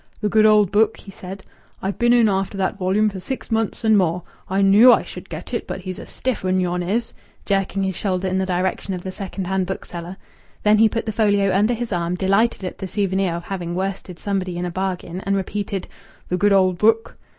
"The good old Book!" he said. "I've been after that volume for six months and more. I knew I should get it, but he's a stiff un yon is," jerking his shoulder in the direction of the second hand bookseller. Then he put the folio under his arm, delighted at the souvenir of having worsted somebody in a bargain, and repeated, "The good old Book!"